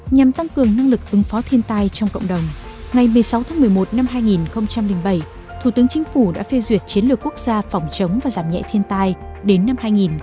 nhằm tăng cường năng lực ứng phó thiên tai trong cộng đồng ngày một mươi sáu tháng một mươi một năm hai nghìn bảy thủ tướng chính phủ đã phê duyệt chiến lược quốc gia phòng chống và giảm nhẹ thiên tai đến năm hai nghìn hai mươi